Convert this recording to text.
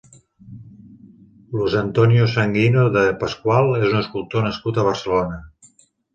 Luis Antonio Sanguino de Pascual és un escultor nascut a Barcelona.